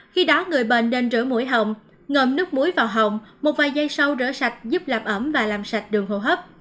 khi đó người bệnh nên rửa mũi hồng ngầm nước muối vào hồng một vài giây sau rửa sạch giúp làm ẩm và làm sạch đường hồ hấp